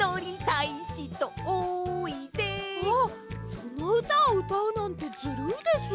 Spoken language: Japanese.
そのうたをうたうなんてずるいです！